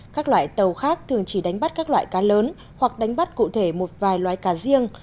các loại tàu khác thường chỉ đánh bắt các loại cá lớn hoặc đánh bắt cụ thể một vài loài cá riêng